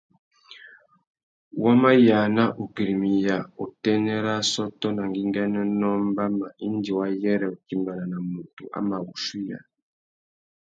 Wa mà yāna ugüirimiya utênê râ assôtô nà ngüinganénô mbama indi wa yêrê utimbāna nà mutu a mà wuchuiya.